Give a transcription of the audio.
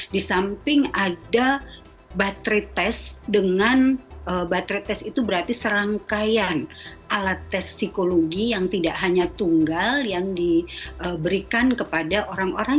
di samping ada baterai tes dengan baterai tes itu berarti serangkaian alat tes psikologi yang tidak hanya tunggal yang diberikan kepada orang orang